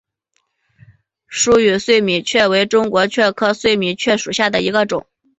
疏羽碎米蕨为中国蕨科碎米蕨属下的一个种。